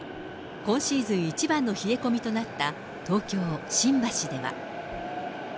今シーズン一番の冷え込みとなった東京・新橋では。